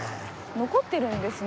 残ってるんですね。